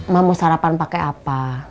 ma mau sarapan pake apa